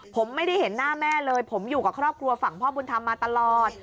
ผมไม่ได้เห็นหน้าแม่เลยผมอยู่กับครอบครัวฝั่งพ่อบุญธรรมมาตลอด